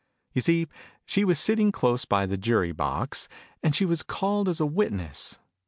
You see, she was sitting close by the Jury box : and she was called as a witness.